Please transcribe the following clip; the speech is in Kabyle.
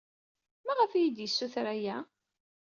Maɣef ay iyi-d-yessuter aya?